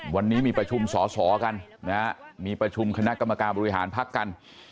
วันนี้มีประชุมสอสอกันนะฮะมีประชุมคณะกรรมการบริหารพักกัน